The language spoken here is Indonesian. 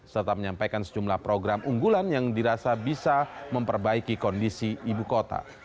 serta menyampaikan sejumlah program unggulan yang dirasa bisa memperbaiki kondisi ibu kota